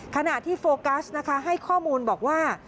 ขณะที่โฟกัสนะคะให้ข้อมูลบอกว่า